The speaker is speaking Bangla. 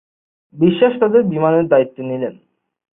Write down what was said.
বিশ্বাস তাদের বিমানের দায়িত্বে নিলেন।